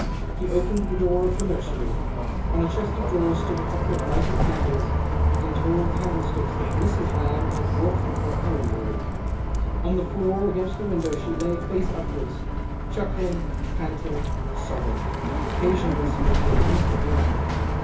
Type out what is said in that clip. He opened the door of the nursery. On a chest of drawers stood a couple of lighted candles, in tall candlesticks, that Mrs. Lamb THE OCTAVE OB^ CLAUDIUS. 149 liacl brought from lier own room. On the Hoor against the window she lay, face upwards — chuckling, panting, sobbing — occasionally speaking incoherently.